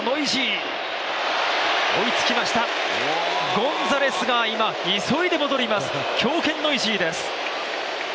ゴンザレスが急いで戻ります、強肩ノイジーです